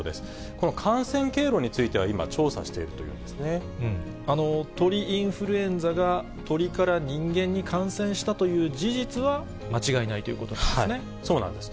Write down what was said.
この感染経路については今、鳥インフルエンザが、鳥から人間に感染したという事実は間違いないということなんですそうなんです。